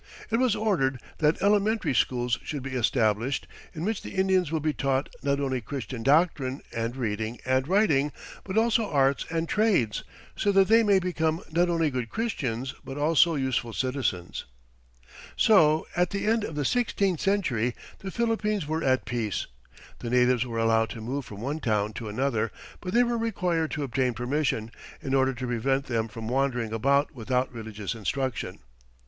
It was ordered that "elementary schools should be established, in which the Indians will be taught not only Christian doctrine and reading and writing but also arts and trades, so that they may become not only good Christians but also useful citizens." So at the end of the sixteenth century the Philippines were at peace. The natives were allowed to move from one town to another, but they were required to obtain permission, in order to prevent them from wandering about without religious instruction.